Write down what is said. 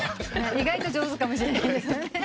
意外と上手かもしれないですね。